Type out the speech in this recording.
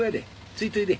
ついといで。